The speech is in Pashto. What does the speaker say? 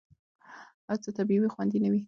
هر څه طبیعي وي، خوندي نه وي.